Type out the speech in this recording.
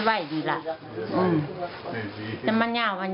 ขอให้สบายใจ